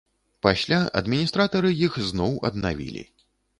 Пасля адміністратары іх зноў аднавілі.